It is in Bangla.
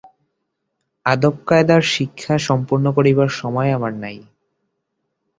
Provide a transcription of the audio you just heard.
আদবকায়দার শিক্ষা সম্পূর্ণ করিবার সময় আমার নাই।